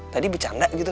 tadi bercanda gitu